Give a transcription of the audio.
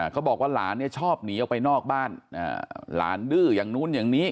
เขาบอกว่าหลานเนี่ยชอบหนีออกไปนอกบ้านหลานดื้ออย่างนู้นอย่างนี้